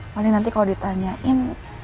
paling nanti kalau ditanyain